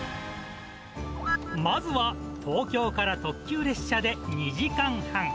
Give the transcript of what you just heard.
まずは東京から特急列車で２時間半。